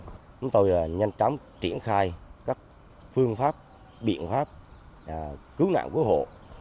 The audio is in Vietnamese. chúng tôi nhanh chóng triển khai các phương pháp biện pháp cứu nạn cứu hộ